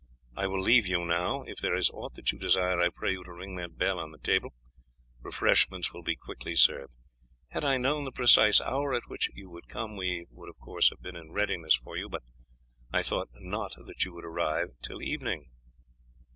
I will leave you now. If there is aught that you desire, I pray you to ring that bell on the table; refreshments will be quickly served. Had I known the precise hour at which you would come we should have been in readiness for you, but I thought not that you would arrive till evening."